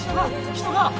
人が！